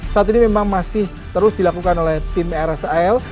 saat ini memang masih terus dilakukan oleh tim rsal